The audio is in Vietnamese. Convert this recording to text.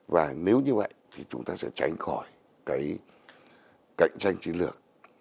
và nếu như vậy thì chúng ta sẽ tránh khỏi cái cạnh tranh chiến lược